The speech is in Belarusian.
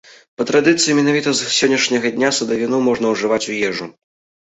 Па традыцыі, менавіта з сённяшняга дня садавіну можна ўжываць у ежу.